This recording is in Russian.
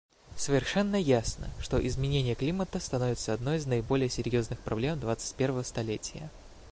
Совершенно ясно, что изменение климата становится одной из наиболее серьезных проблем двадцать первого столетия.